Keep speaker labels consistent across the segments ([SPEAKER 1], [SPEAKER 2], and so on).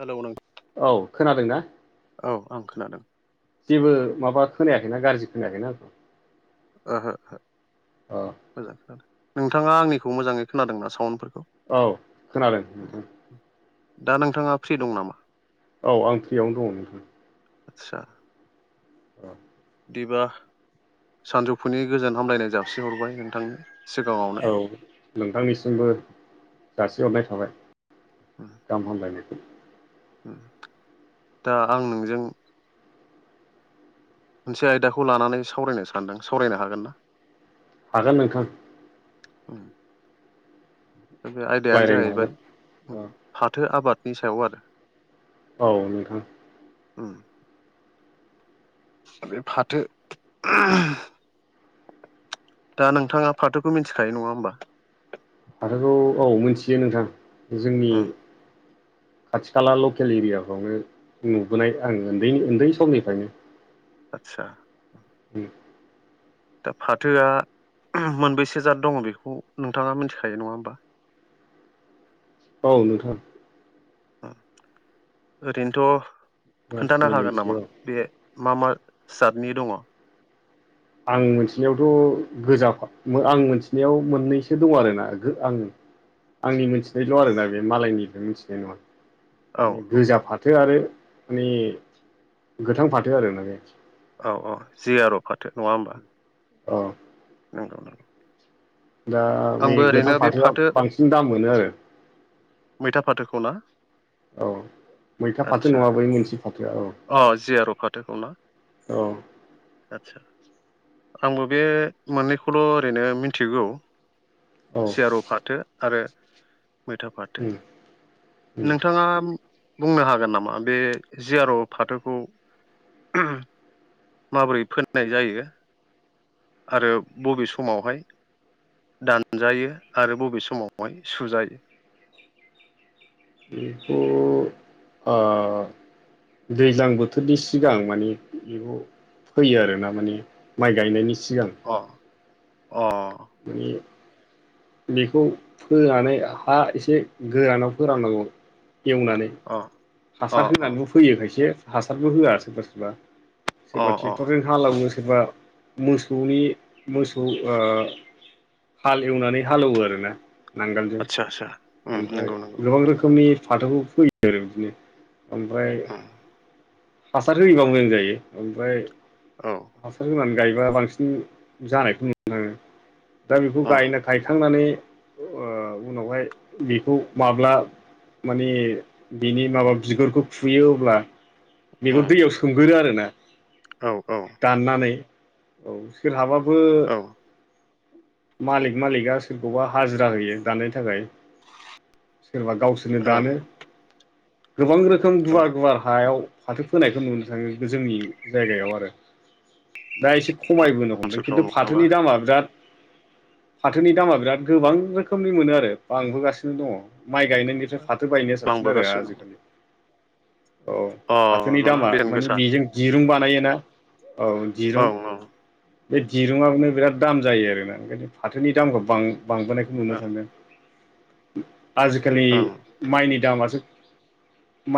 [SPEAKER 1] Hello नों
[SPEAKER 2] औ खोनादोंना?
[SPEAKER 1] औ आं खोनादों
[SPEAKER 2] जेबो माबा खोनायाखैना गाज्रि खोनायाखैना?
[SPEAKER 1] ओहो ओहो
[SPEAKER 2] औ
[SPEAKER 1] मोजां खोनादों नोंथाङा आंनिखौ मोजाङै खोनादों ना साउन्डफोरखौ
[SPEAKER 2] औ खोनादों नोंथां
[SPEAKER 1] दा नोंथाङा फ्रि दं नामा?
[SPEAKER 2] औ आं फ्रियावनो दङ नोंथां
[SPEAKER 1] आतसा
[SPEAKER 2] औ
[SPEAKER 1] बिदिबा सानजौफुनि गोजोन हामलायनाय जासि हरबाय नोंथांनो
[SPEAKER 2] औ नोंथांनिसिमबो जासिहरनाय थाबाय
[SPEAKER 1] उम
[SPEAKER 2] गाहाम हामलायनाय
[SPEAKER 1] दा आं नोंजों मोनसे आयदाखौ लानानै सावरायनो सानदों सावरायनो हागोन ना?
[SPEAKER 2] हागोन नोंथां
[SPEAKER 1] बे आयदायानो
[SPEAKER 2] रायज्लायनो हागोन
[SPEAKER 1] जाहैबाय फाथो आबादनि सायाव आरो
[SPEAKER 2] औ नोंथां
[SPEAKER 1] उम बे फाथो दा नोंथाङा फाथोखौ मिथिखायो नङा होमबा
[SPEAKER 2] फाथोखौ औ मिथियो नोंथां जोंनि
[SPEAKER 1] उम
[SPEAKER 2] खाथि खाला लकेल एरियाफ्रावनो नुबोनाय आं उन्दै उन्दै समनिफ्रायनो
[SPEAKER 1] आतसा
[SPEAKER 2] उम
[SPEAKER 1] दा फाथोआ मोनबेैसे जात दङ बेखौ नोंथाङा मिथिखायो नङा होमबा
[SPEAKER 2] औ नोंथां
[SPEAKER 1] ओरैनोथ' खोन्थानो
[SPEAKER 2] जाखिनि
[SPEAKER 1] हागोन
[SPEAKER 2] मिथियो
[SPEAKER 1] नामा
[SPEAKER 2] औ।
[SPEAKER 1] बे मा मा जादनि दङ?
[SPEAKER 2] आं मोनथिनायावथ' गोजा आं मोनथिनायाव मोननैसो दं आरोना आङो गो आं आंनि मिथिनायल' आरो दा बे मालायनिफ्राय मिथिनाय नङा
[SPEAKER 1] औ
[SPEAKER 2] माने गोजा फाथो आरो मानि गोथां फाथो आरोना बे
[SPEAKER 1] औ औ जिआर' फाथो नङा होमबा
[SPEAKER 2] अ
[SPEAKER 1] नंगौ
[SPEAKER 2] दा बे
[SPEAKER 1] आंबो ओरैनो
[SPEAKER 2] गोथां
[SPEAKER 1] बे
[SPEAKER 2] फाथोआ
[SPEAKER 1] फाथो
[SPEAKER 2] बांसिन दाम मोनो आरो
[SPEAKER 1] मैथा फाथोखौ ना
[SPEAKER 2] औ मैथा फाथो
[SPEAKER 1] आदसा
[SPEAKER 2] नङा बै मोनसे फाथोआ औ
[SPEAKER 1] अ जियार' फाथोखौ ना
[SPEAKER 2] औ
[SPEAKER 1] आदसा आंबो बे मोननैखौल' ओरैनो मिथिगौ
[SPEAKER 2] औ
[SPEAKER 1] जियार' फाथो आरो मैथा फाथो
[SPEAKER 2] उम उम
[SPEAKER 1] नोंथाङा बुंनो हागोन नामा बे जिआर' फाथोखौ माबोरै फोननाय जायो आरो बबे समावहाय दानजायो आरो बबे समावहाय सुजायो
[SPEAKER 2] बेखौ आ दैज्लां बोथोरनि सिगां माने बेखौ फोयो आरो ना माने माइ गायनायनि सिगां
[SPEAKER 1] अ अ
[SPEAKER 2] मानि बेखौ फोनानै हा एसे गोरानाव फोराननांगौ एवनानै
[SPEAKER 1] अ अ
[SPEAKER 2] हासार
[SPEAKER 1] अ
[SPEAKER 2] होनानै फैयो खायसे हासारबो होया सोरबा सोरबा
[SPEAKER 1] अ
[SPEAKER 2] सोरबा
[SPEAKER 1] अ
[SPEAKER 2] ट्रेक्टरजों हालेवनो सोरबा मोसौनि मोसौ ओ हालेव एवनानै हालेवो आरोना नांगोल
[SPEAKER 1] आसा
[SPEAKER 2] ओमफ्राय गोबां रोखोमनि फाथोखौ फैयो आरो बिदिनो ओमफ्राय
[SPEAKER 1] उम
[SPEAKER 2] हासार होयोबा मोजां जायो ओमफ्राय
[SPEAKER 1] औ
[SPEAKER 2] हासार होनानै गायोब्ला बांसिन जानायखौ नु- उम दा बेखौ
[SPEAKER 1] उम
[SPEAKER 2] गायनो गायखांनानै ओ उनावहाय बेखौ माब्ला माने बिनि माबा बिगुरखौ खुयो अब्ला बेखौ
[SPEAKER 1] उम
[SPEAKER 2] दैयाव सोमगोरो आरोना
[SPEAKER 1] औ औ
[SPEAKER 2] दाननानै औ सोर हाबाबो
[SPEAKER 1] औ
[SPEAKER 2] मालिक मालिकआ सोरखौबा हाजिरा होयो दानाय थाखाय सोरबा गावसोर नो दानो गोबां रोखोम
[SPEAKER 1] ओं
[SPEAKER 2] गुवार गुवार हायाव फाथो फोनायखौ नुनो थाङो जोंनि जायगायाव आरो दा एसे खमायबो हमदों
[SPEAKER 1] ओनसोलफ्राव
[SPEAKER 2] खिन्थु
[SPEAKER 1] नङाबा
[SPEAKER 2] फाथोनि दामा बिराद फाथोनि दामा बिराद गोबां रोखोमनि मोनो आरो बांबोगासिनो दङ' माइ गायनायनि- फ्राय फाथो गायनाया साबसिन आरो
[SPEAKER 1] बांबोगासिनो दं
[SPEAKER 2] आजिखालि। औ
[SPEAKER 1] अ
[SPEAKER 2] फाथोनि
[SPEAKER 1] नङा
[SPEAKER 2] दामा
[SPEAKER 1] बेसेन
[SPEAKER 2] माने
[SPEAKER 1] गोसा
[SPEAKER 2] बेजों दिरुं बानायोना औ
[SPEAKER 1] औ
[SPEAKER 2] दिरुं बे दिरुआनो बिराद दाम जायो आरोना ओंखायनो फाथोनि दामखौ बांबोनायखौ
[SPEAKER 1] औ
[SPEAKER 2] मोननो थांदों आजिखालि
[SPEAKER 1] ओं
[SPEAKER 2] माइनि दामासो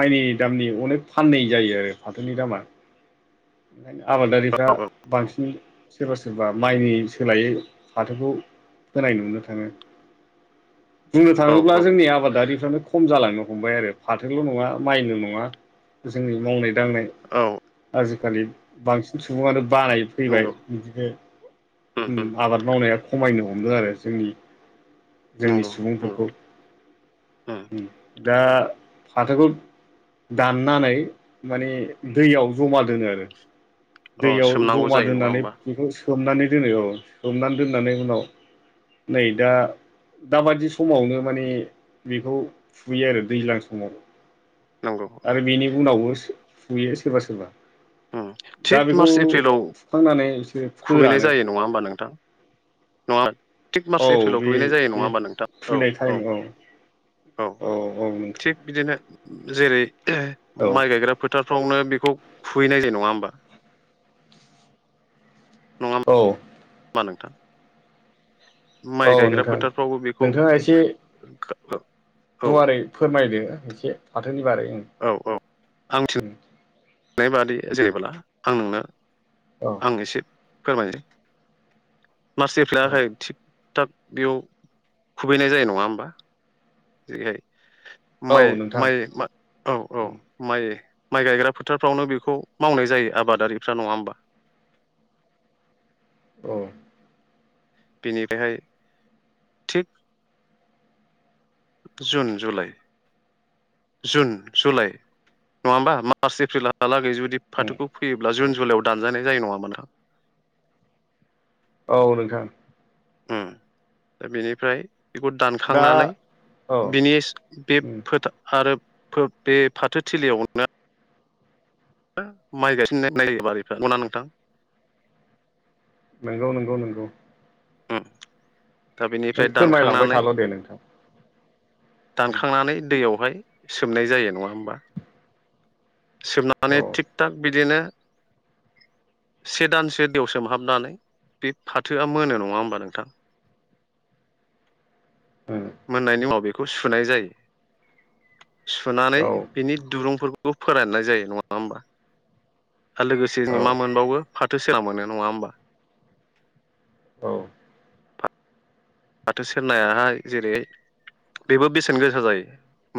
[SPEAKER 2] माइनि दामनि अनेक फाननै जायो आरो फाथोनि दामा। ओंखायनो आबादारिफ्रा
[SPEAKER 1] औ औ
[SPEAKER 2] बांसिन सोरबा सोरबा माइनि सोलायै फाथोखौ फोनाय नुनो थाङो बुंनो
[SPEAKER 1] औ
[SPEAKER 2] थाङोब्ला
[SPEAKER 1] औ
[SPEAKER 2] जोंनि आबादारिफ्रानो खम जालांनो हमबाय आरो फाथोल' नङा माइल' नङा जोंनि मावनाय दांनाय
[SPEAKER 1] औ
[SPEAKER 2] आजिखालि बांसिन सुबुङानो बानाय फैबाय
[SPEAKER 1] नंगौ उम
[SPEAKER 2] बिदिनो
[SPEAKER 1] उम
[SPEAKER 2] आबाद मावनाया खमायनो हमदों आरो जोंनि जोंनि
[SPEAKER 1] नंगौ नंगौ
[SPEAKER 2] सुबुंफोरखौ
[SPEAKER 1] उम
[SPEAKER 2] उ दा फाथोखौ दाननानै माने दैयाव जमा दोनो आरो
[SPEAKER 1] अ
[SPEAKER 2] दैयाव
[SPEAKER 1] सोमनांगौ
[SPEAKER 2] जमा
[SPEAKER 1] जायो नङा
[SPEAKER 2] दोननानै
[SPEAKER 1] होमबा
[SPEAKER 2] बेखौ सोमनानै दोनो औ सोमनानै दोननानै उनाव नै दा दाबादि समावनो माने बेखौ फुुयो आरो दैज्लां समाव
[SPEAKER 1] नंगौ
[SPEAKER 2] आरो
[SPEAKER 1] औ
[SPEAKER 2] बेनि उनावबो सु फुयो सोरबा सोरबा
[SPEAKER 1] उम
[SPEAKER 2] दा
[SPEAKER 1] थिग
[SPEAKER 2] बेखौ
[SPEAKER 1] मार्च एप्रिलाव
[SPEAKER 2] फुखांनानै बिसोर
[SPEAKER 1] खुबैनाय
[SPEAKER 2] फोरानो
[SPEAKER 1] जायो नङा होमबा नोंथां नङा थिग
[SPEAKER 2] औ
[SPEAKER 1] मार्च एप्रिलाव
[SPEAKER 2] बे
[SPEAKER 1] फुहैनाय जायो
[SPEAKER 2] बे
[SPEAKER 1] नङा होमबा नोंथां। औ
[SPEAKER 2] फुनाय टाइम
[SPEAKER 1] औ औ
[SPEAKER 2] औ नोंथां
[SPEAKER 1] थिग बिदिनो जेरै
[SPEAKER 2] औ
[SPEAKER 1] माइ गायग्रा फोथारफ्रावनो बेखौ खुबहैनाय जायो नङा होमबा
[SPEAKER 2] औ
[SPEAKER 1] मा नोंथां
[SPEAKER 2] औ
[SPEAKER 1] माइ गायग्रा
[SPEAKER 2] नोंथां
[SPEAKER 1] फोथारफ्रावबो बेखौ
[SPEAKER 2] नोंथाङा एसे
[SPEAKER 1] औ
[SPEAKER 2] गुवारै फोरमायदो एसे फाथोनि बारै
[SPEAKER 1] औ औ आंसो
[SPEAKER 2] उम
[SPEAKER 1] नाय बादि जेब्ला आं नोंनो
[SPEAKER 2] औ
[SPEAKER 1] आं एसे फोरमायसै मार्च
[SPEAKER 2] औ
[SPEAKER 1] एप्रिला थिग थाब बेयाव खुबैनाय जानाय नङा होमबा- जेरैहाय
[SPEAKER 2] औ
[SPEAKER 1] माइ
[SPEAKER 2] नोंथां
[SPEAKER 1] माइ मा औ औ माइ माइ गायग्रा फोथारफ्रावनो बेखौ मावनाय जायो आबादारिफ्रा नङा होमबा
[SPEAKER 2] औ
[SPEAKER 1] बेनिफ्रायहाय थिग जुन जुलाइ जुन जुलाइ नङा होमबा मार्च एप्रिलहालागै जुदि फाथोखौ फैयोब्ला जुन जुलाइआव दानजानाय जायो नङा होमबा नोंथां
[SPEAKER 2] औ नोंथां
[SPEAKER 1] उ दा बेनिफ्राय बेखौ
[SPEAKER 2] दा
[SPEAKER 1] दानखांनानै
[SPEAKER 2] औ
[SPEAKER 1] बिनि बे फोथा आरो बे फाथोथिलियावनो माइ [unintelligible] नोंथां
[SPEAKER 2] नंगौ नंगौ नंगौ
[SPEAKER 1] दा
[SPEAKER 2] नों
[SPEAKER 1] बेनिफ्राय
[SPEAKER 2] फोरमायलांबाय
[SPEAKER 1] दानखांनानै
[SPEAKER 2] थाल' नोंथां
[SPEAKER 1] दानखांनानै दैयावहाय सोमनाय जायो नङा होमबा सोमनानै
[SPEAKER 2] औ
[SPEAKER 1] थिग थाक बिदिनो से दानसो दैयाव सोमहाबनानै बे फाथोआ मोनो नङा होमबा नोंथां
[SPEAKER 2] उ
[SPEAKER 1] मोननायनि उनाव बेखौ सुनाय जायो सुनानै
[SPEAKER 2] औ
[SPEAKER 1] बिनि दुरुंफोरखौ फोराननाय जायो नङा होमबा आरो लोगोसे जोङो मा
[SPEAKER 2] औ
[SPEAKER 1] मोनबावो फाथो सेला मोनो नङा होमबा
[SPEAKER 2] औ
[SPEAKER 1] फाथो सेरनायाहाय जेरै बेबो बेसेन गोसा जायो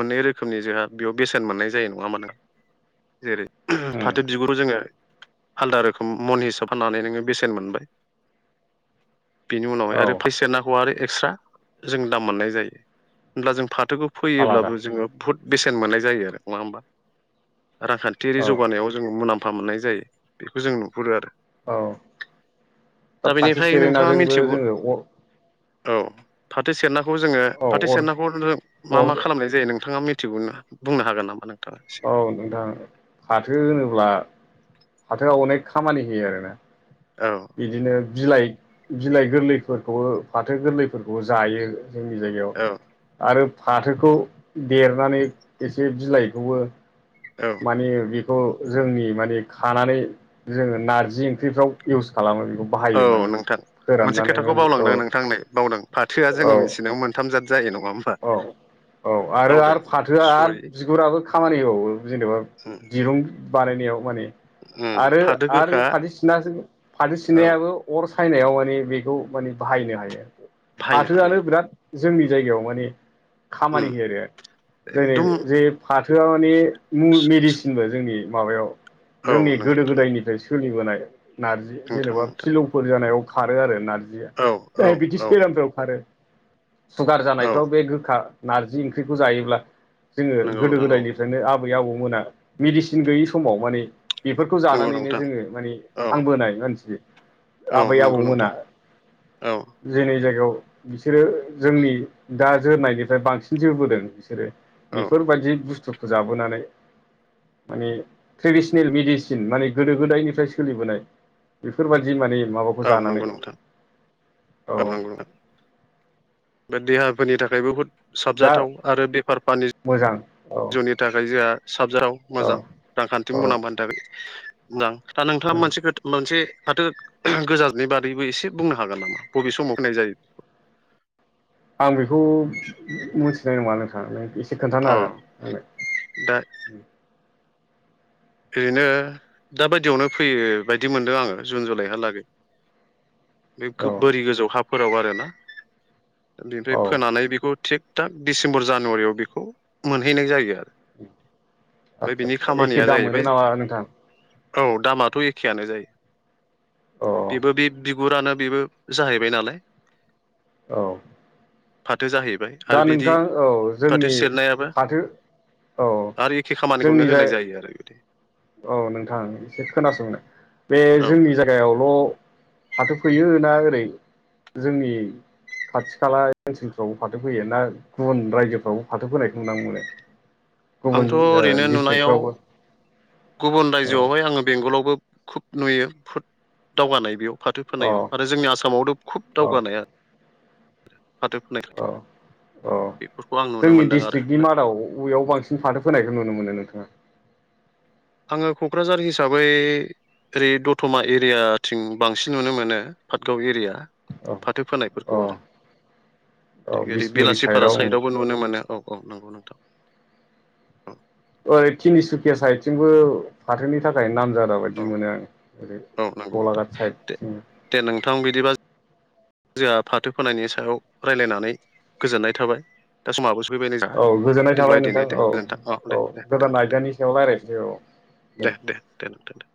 [SPEAKER 1] मोननै रोखोमनि जोंहा बेयाव बेसेन मोननाय जायो नङा होमबा नोंथां जेरै फाथो बिगुरखौ जोङो आलदा रोखोम मन हिसाब फाननानै नोङो बेसेन मोनबाय बेनि उनावहाय
[SPEAKER 2] औ
[SPEAKER 1] आरो फैसाया नां आरो एक्सट्रा जों दाम मोननाय जायो होनब्ला जों फाथोखौ
[SPEAKER 2] आलादा
[SPEAKER 1] फैयोब्लाबो जोङो बुहुद बेसेन मोननाय जायो आरो नङा होमबा रांखान्थियारि
[SPEAKER 2] औ
[SPEAKER 1] जौगानायाव जों मुलाम्फा मफा मोननाय जायो बेखौ जों नुहुरो आरो
[SPEAKER 2] औ
[SPEAKER 1] दा बेनिफ्राय नोंथाङा मिथिगौ
[SPEAKER 2] नंगौ
[SPEAKER 1] औ फाथो सेरनाखौ जोङो
[SPEAKER 2] औ
[SPEAKER 1] फाथो
[SPEAKER 2] अर
[SPEAKER 1] सेरनाखौ मा मा
[SPEAKER 2] अर
[SPEAKER 1] खालामनाय जे नोंथाङा मिथिगौना बुंनो हागोन नामा नोंथाङा एसे
[SPEAKER 2] औ नोंथां फाथो होनोब्ला फाथोआ अनेक खामानि होयो आरोना
[SPEAKER 1] औ
[SPEAKER 2] बिदिनो बिलाइ बिलाइ गोरलैफोरखौ फाथो गोरलैफोरखौ जायो जोंनि
[SPEAKER 1] औ
[SPEAKER 2] जायगायाव आरो फाथोखौ देरनानै एसे बिलाइखौबो
[SPEAKER 1] औ
[SPEAKER 2] माने बेखौ जोंनि माने खानानै जोङो नारजि ओंख्रिफ्राव इउस खालामो बेखौ
[SPEAKER 1] औ
[SPEAKER 2] बाहायो माने
[SPEAKER 1] नोंथां मोनसे
[SPEAKER 2] फोराननानै
[SPEAKER 1] खोथाखौ
[SPEAKER 2] माने औ
[SPEAKER 1] बावलांदों नोंथां बावदों फाथोआ
[SPEAKER 2] औ
[SPEAKER 1] जोङो मिथिनायाव मोनथाम जाद जायो नङा
[SPEAKER 2] औ औ आरो
[SPEAKER 1] बावदों
[SPEAKER 2] आरो फाथोआ आरो
[SPEAKER 1] सरि
[SPEAKER 2] बिगुराबो खामानि होबावो जेनेबा
[SPEAKER 1] उम
[SPEAKER 2] दिरुं बानायनायाव माने
[SPEAKER 1] उम
[SPEAKER 2] आरो
[SPEAKER 1] फाथो
[SPEAKER 2] आरो बे
[SPEAKER 1] गोखा
[SPEAKER 2] फाथो सिना फाथो
[SPEAKER 1] औ
[SPEAKER 2] सिनायाबो अर सायनायाव माने बेखौ माने बाहायनो हायो
[SPEAKER 1] बाहायनो
[SPEAKER 2] फाथोआनो
[SPEAKER 1] हायो
[SPEAKER 2] बिराद जोंनि जायगायाव माने
[SPEAKER 1] उम
[SPEAKER 2] खामानि होयो आरो जेरै
[SPEAKER 1] एकदम
[SPEAKER 2] जे फाथोआ माने मेडिसिनबो जोंनि माबायाव
[SPEAKER 1] औ
[SPEAKER 2] जोंनि गोदो
[SPEAKER 1] नोंथां
[SPEAKER 2] गोदायनिफ्राय सोलिबोनाय नार्जि
[SPEAKER 1] नोंथां
[SPEAKER 2] जेन'बा
[SPEAKER 1] नोंथां
[SPEAKER 2] फिलौफोर जानायाव खारो आरो नार्जिया
[SPEAKER 1] औ औ
[SPEAKER 2] दायबेटिस
[SPEAKER 1] औ
[SPEAKER 2] बेरामफोराव खारो सुगार
[SPEAKER 1] औ
[SPEAKER 2] जानायफ्राव बे गोखा नारजि ओंख्रिखौ जायोब्ला जोङो
[SPEAKER 1] नंगौ
[SPEAKER 2] गोदो
[SPEAKER 1] नोंथां औ
[SPEAKER 2] गोदायनि जोनो आबै आबौमोना मेडिसिन गैयि समाव माने बेफोरखौ
[SPEAKER 1] नंगौ
[SPEAKER 2] जानानैनो
[SPEAKER 1] नोंथां
[SPEAKER 2] जोङो माने
[SPEAKER 1] औ
[SPEAKER 2] थांबोनाय मानसि
[SPEAKER 1] औ
[SPEAKER 2] आबै
[SPEAKER 1] नंगौ
[SPEAKER 2] आबौमोना
[SPEAKER 1] नोंथां औ
[SPEAKER 2] जोंनि जायगायाव बिसोरो जोंनि दा जोरनायनिफ्राय बांसिन जोबोदों बिसोरो
[SPEAKER 1] औ
[SPEAKER 2] बेफोरबायदि बुस्थुखौ जाबोनानै माने ट्रेडिसनेल मेडिसिन माने गोदो गोदायनिफ्राय सोलिबोनाय बेफोरबायदि माने माबाखौ
[SPEAKER 1] औ
[SPEAKER 2] जानानै
[SPEAKER 1] नंगौ नोंथां
[SPEAKER 2] औ
[SPEAKER 1] नंगौ नोंथां बे देहाफोरनि थाखाय बहुद
[SPEAKER 2] दा
[SPEAKER 1] साबजाथाव आरो बेफार [unintelligible] फानि
[SPEAKER 2] मोजां औ
[SPEAKER 1] जुनि थाखाय जोंहा साबजाथाव
[SPEAKER 2] औ
[SPEAKER 1] मोजां रांखान्थि
[SPEAKER 2] औ
[SPEAKER 1] मुलाम्फानि थाखाय दां दा नोंथाङा मोनसेथ मोनसे फाथो गोजाननि बारैबो एसे बुंनो हागोन नामा बबे समाव फोनाय जायो?
[SPEAKER 2] आं बेखौ मिथिनाय नङा नोंथां नों एसे खोन्थानो
[SPEAKER 1] अ
[SPEAKER 2] हागोन आंनो?
[SPEAKER 1] दा ओरैनो दा बायदियावनो फैयो बायदि मोनदों आङो जुन जुलाइहालागै बे
[SPEAKER 2] औ
[SPEAKER 1] बोरि गोजौ हाफोराव आरोना बेनिफ्राय
[SPEAKER 2] औ
[SPEAKER 1] फोनानै बेखौ थिग दा डिसेम्बर जानुवारियाव बेखौ मोनहैनाय जायो आरो। ओमफ्राय बिनि खामानिया जाहै
[SPEAKER 2] नों नामा नोंथां [unintelligible]
[SPEAKER 1] औ दामाथ' एखेयानो
[SPEAKER 2] औ
[SPEAKER 1] जायो बेबो बे गुरानो बेबो जाहैबाय नालाय
[SPEAKER 2] औ
[SPEAKER 1] फाथो जाहैबाय
[SPEAKER 2] दा
[SPEAKER 1] आरो बिदि
[SPEAKER 2] नोंथां औ जोंनि
[SPEAKER 1] फाथो सेरनायाबो
[SPEAKER 2] फाथो औ
[SPEAKER 1] आरो एखे खामानिखौनो
[SPEAKER 2] जोंनि जाय
[SPEAKER 1] होनाय जायो आरो बिदि
[SPEAKER 2] औ नोंथां एसे खोनासंनो बे
[SPEAKER 1] औ
[SPEAKER 2] जोंनि
[SPEAKER 1] नोंथां
[SPEAKER 2] जायगायाव ल' फाथो फैयोना ओरै जोंनि खाथि खाला ओनसोलफ्रावबो फाथो फैयो ना गुबुन रायजोफ्रावबो फाथो फोनायखौ नुनो मोनो
[SPEAKER 1] आंथ'
[SPEAKER 2] गुबुन
[SPEAKER 1] ओरैनो नुनायाव
[SPEAKER 2] डिस्ट्रिकफ्रावबो
[SPEAKER 1] गुबुन रायजोआवहाय आङो बेंगलावबो खुब नुयो फुद दावगानाय बेयाव फाथो फोनायाव
[SPEAKER 2] अ
[SPEAKER 1] आरो जोंनि आसामावथ' खुब
[SPEAKER 2] अ
[SPEAKER 1] दावगानाया फाथो फोनाय [unintelligible]
[SPEAKER 2] अ अ
[SPEAKER 1] बेफोरखौ आं नुनो
[SPEAKER 2] जोंनि
[SPEAKER 1] मोनदों आरो
[SPEAKER 2] डिस्ट्रिक्टनि मादाव अबेयाव बांसिन फाथो फोनायखौ नुनो मोनो नोंथाङा?
[SPEAKER 1] आङो क'क्राझार हिसाबै जेरै दतमा एरियाथिं बांसिन नुनो मोनो पाटगाव एरिया
[SPEAKER 2] औ
[SPEAKER 1] फाथो
[SPEAKER 2] अ
[SPEAKER 1] फोनायफोरखौ आरो
[SPEAKER 2] औ
[SPEAKER 1] ओरै
[SPEAKER 2] बिसमुरि
[SPEAKER 1] बेलासिफारा
[SPEAKER 2] साइडआव
[SPEAKER 1] साइदावबो नुनो मोनो औ औ नंगौ नोंथां औ
[SPEAKER 2] ओरै थिनिसुकिया साइडथिंबो फाथोनि थाखाय नाम जादा बायदि
[SPEAKER 1] औ
[SPEAKER 2] मोनो आं ओरै
[SPEAKER 1] औ नंगौ नोंथां
[SPEAKER 2] गलाघाट
[SPEAKER 1] दे
[SPEAKER 2] साइडथिं
[SPEAKER 1] दे नोंथां बिदिबा जोंहा फाथो फोनायनि सायाव रायज्लायनानै गोजोननाय थाबाय दा समावाबो सोफैबायनो जाहा
[SPEAKER 2] औ गोजोननाय
[SPEAKER 1] दोनबा
[SPEAKER 2] थाबाय
[SPEAKER 1] दिनै
[SPEAKER 2] नोंथां
[SPEAKER 1] दे
[SPEAKER 2] औ
[SPEAKER 1] गोजोनथों औ दे दे
[SPEAKER 2] गोदान
[SPEAKER 1] दोनथ' दे
[SPEAKER 2] आयदानि सायाव रायज्लायनोसै औ
[SPEAKER 1] दे दे दोन नोंथां दे